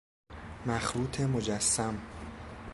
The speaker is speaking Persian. مخروط مجسم